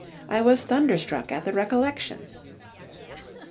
I was thunderstruck at the recollection....